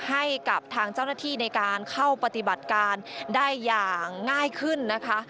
ให้กับทางเจ้าหน้าที่ในการเข้าปฏิบัติการได้อย่างง่ายขึ้นนะคะ